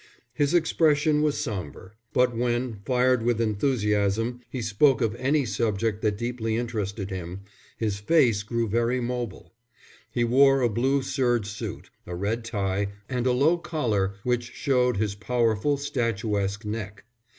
His expression was sombre; but when, fired with enthusiasm, he spoke of any subject that deeply interested him, his face grew very mobile. He wore a blue serge suit, a red tie, and a low collar which showed his powerful, statuesque neck.